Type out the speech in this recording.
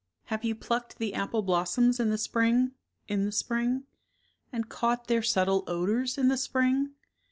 Have you plucked the apple blossoms in the spring? In the spring? And caught their subtle odors in the spring